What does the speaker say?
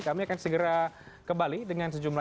kami akan segera kembali dengan sejumlah